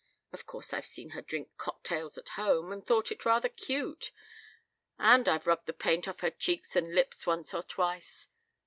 Of course I've seen her drink cocktails at home and thought it rather cute, and I've rubbed the paint off her cheeks and lips once or twice.